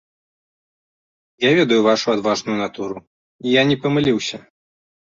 Я ведаю вашу адважную натуру, і я не памыліўся.